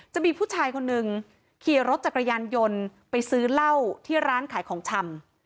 จะมีผู้ชายคนหนึ่งขี่รถจักรยานยนต์ไปซื้อเหล้าที่ร้านขายของชำ